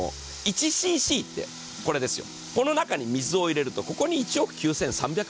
１ｃｃって、この中に水を入れるとここに１億９３００万個。